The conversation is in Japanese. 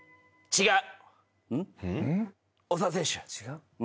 違う。